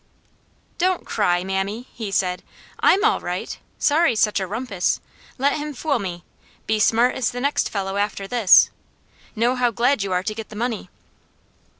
"Don't CRY, mammy!" he said. "I'M all right. Sorry such a rumpus! Let him fool me. Be smart as the next fellow, after this! Know how glad you are to get the money!"